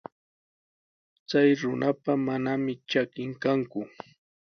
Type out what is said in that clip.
Chay runapa manami trakin kanku.